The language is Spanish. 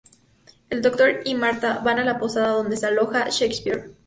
El Doctor y Martha van a la posada donde se aloja Shakespeare.